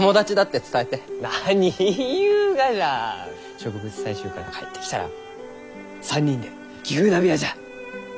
植物採集から帰ってきたら３人で牛鍋屋じゃ。